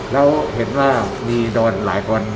แล้วเห็นว่ามีดอนหลายคน